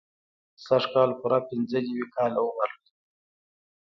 سږ کال پوره پنځه نوي کاله عمر لري.